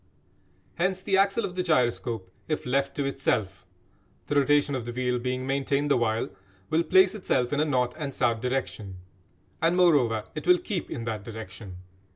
Hence the axle of the gyroscope if left to itself (the rotation of the wheel being maintained the while) will place itself in a north and south direction. And, moreover, it will keep in that direction.